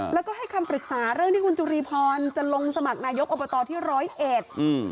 แล้วก็ให้คำปรึกษาเรื่องที่คุณจุรีพรจะลงสมัครนายกอบตที่ร้อยเอ็ดอืม